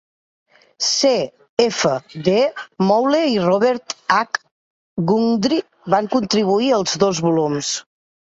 C. F. D. Moule i Robert H. Gundry va contribuir als dos volums.